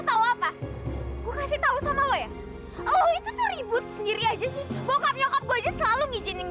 tahu apa gue kasih tahu sama lo ya oh itu ribut sendiri aja sih bokap nyokap gue selalu ngijinin